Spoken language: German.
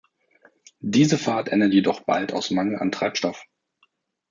Diese Fahrt endet jedoch bald aus Mangel an Treibstoff.